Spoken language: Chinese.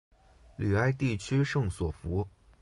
吕埃地区圣索弗。